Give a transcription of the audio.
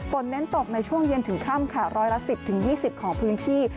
เน้นตกในช่วงเย็นถึงค่ำค่ะร้อยละ๑๐๒๐ของพื้นที่